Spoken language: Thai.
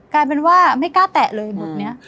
กลายเป็นว่าไม่กล้าแตะเลยหมุดนี้